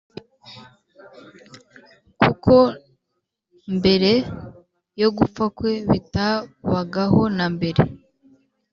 kuko mbere yo gupfa kwe bitabagaho na mbere.